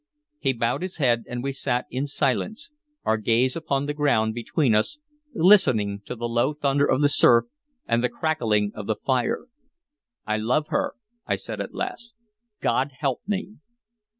He bowed his head and we sat in silence, our gaze upon the ground between us, listening to the low thunder of the surf and the crackling of the fire. "I love her," I said at last. "God help me!"